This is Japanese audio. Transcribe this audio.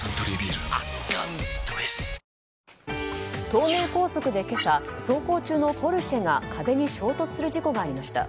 東名高速で今朝走行中のポルシェが壁に衝突する事故がありました。